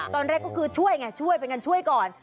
ตอนแรกก็คือช่วยไงช่วยเป็นไงช่วยก่อน